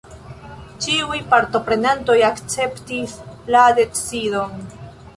Ĉiuj partoprenantoj akceptis la decidon.